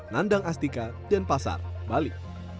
nandang astika dan pasar bali